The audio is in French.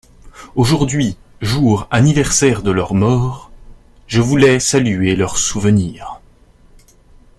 Aujourd’hui, jour anniversaire de leur mort, je voulais saluer leur souvenir.